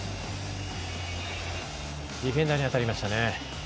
ディフェンダーに当たりましたね。